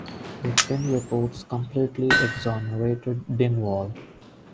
The twin reports completely exonerated Dingwall.